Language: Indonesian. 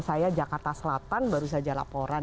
saya jakarta selatan baru saja laporan